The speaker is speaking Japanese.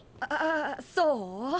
ああそう？